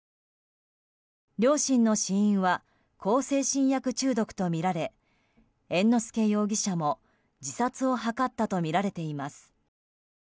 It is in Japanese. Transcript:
両親の死因は向精神薬中毒とみられ猿之助容疑者も自殺を図ったとみられています。